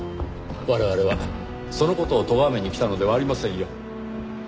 我々はその事をとがめに来たのではありませんよ。